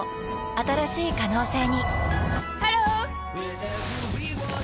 新しい可能性にハロー！